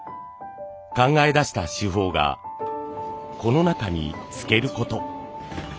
考え出した手法がこの中につけること。